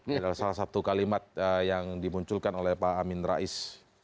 adalah salah satu kalimat yang dimunculkan oleh pak amin rais